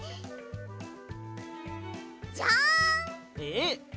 えっ？